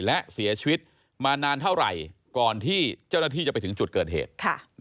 และเสียชีวิตมานานเท่าไหร่ก่อนที่เจ้าหน้าที่จะไปถึงจุดเกิดเหตุ